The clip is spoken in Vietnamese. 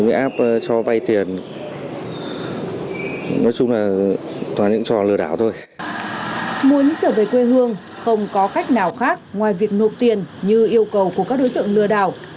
muốn trở về quê hương không có cách nào khác ngoài việc nộp tiền như yêu cầu của các đối tượng lừa đảo